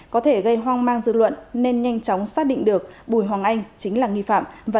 có thể gây hoang mang dư luận nên nhanh chóng xác định được bùi hoàng anh chính là nghi phạm